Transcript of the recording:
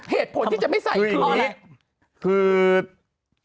เหตุผลที่จะไม่ใส่คืออะไร